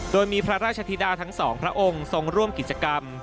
โดยมีพระราชธิดาทั้งสองพระองค์ทรงร่วมกิจกรรม